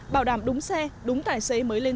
bảo đảm đúng xe đúng tài xế mới lên